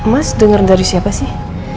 mas dengar dari siapa sih